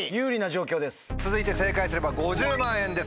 続いて正解すれば５０万円です。